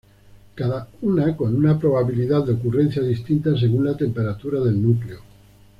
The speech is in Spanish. Cada una con una probabilidad de ocurrencia distinta según la temperatura del núcleo.